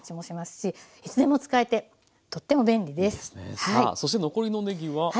さあそして残りのねぎは。